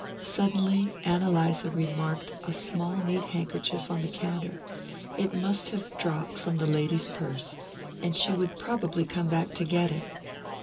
Suddenly Ann Eliza remarked a small neat handkerchief on the counter: it must have dropped from the lady's purse, and she would probably come back to get it.